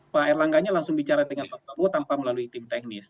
pak erlangganya langsung bicara dengan pak prabowo tanpa melalui tim teknis